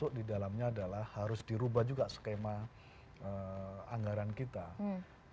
untuk di dalamnya adalah harus dirubah juga skema anggaran kita